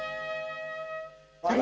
あれ？